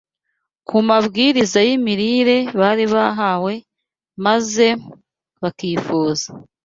ku mabwiriza y’imirire bari bahawe maze bakifuza